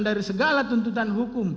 dari segala tuntutan hukum